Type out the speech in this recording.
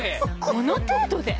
この程度で？